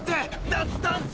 脱炭素！